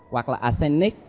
hoặc là arsenic